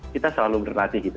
kita selalu berlatih